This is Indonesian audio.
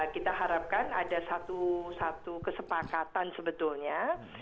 kita harapkan ada satu kesepakatan sebetulnya